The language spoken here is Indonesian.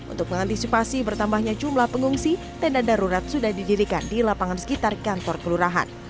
untuk mengantisipasi bertambahnya jumlah pengungsi tenda darurat sudah didirikan di lapangan sekitar kantor kelurahan